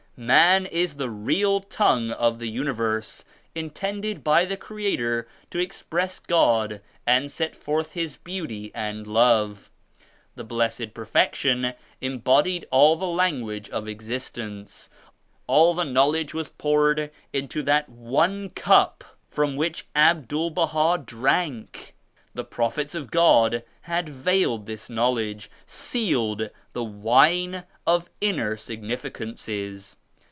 Man is the real tongue of the universe, intended by the Creator to express God and set forth His Beauty and Love. The Blessed Perfection embodied all the language of exist ence. All the Knowledge was poured into that one Cup from which Abdul Baha drank. The Prophets of God had veiled this Knowledge; sealed the Wine of Inner Significances.